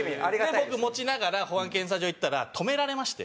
僕持ちながら保安検査場行ったら止められまして。